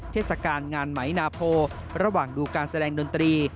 เทศกาลงานไหมนาโพระหว่างดูการแสดงดนตรี